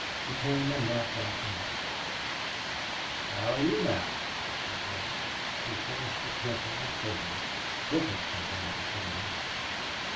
He came and knelt by Allie. "How are you now?" he asked. His voice was gentle and courteous, different from that of the other men.